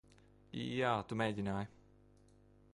Jā, tu mēģināji.